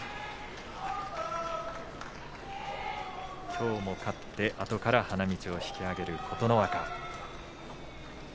きょうも勝って、あとから花道を引き揚げる琴ノ若。